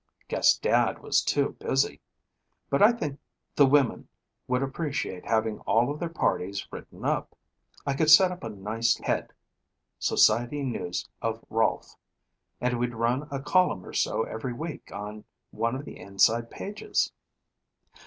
Guess Dad was too busy. But I think the women would appreciate having all of their parties written up. I could set up a nice head, 'Society News of Rolfe,' and we'd run a column or so every week on one of the inside pages."